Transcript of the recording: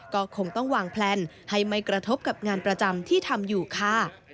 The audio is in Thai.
ก็คงต้องวางแพลนให้ไม่กระทบกับงานประจำที่ทำอยู่ค่ะ